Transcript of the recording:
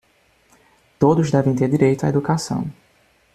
Todos devem ter o direito à educação.